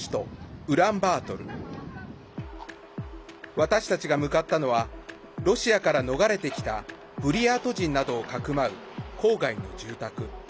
私たちが向かったのはロシアから逃れてきたブリヤート人などをかくまう郊外の住宅。